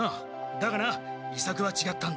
だがな伊作はちがったんだ。